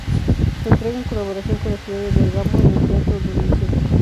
Se entrega en colaboración con la ciudad de Bergamo en el Teatro Donizetti.